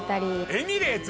エミレーツ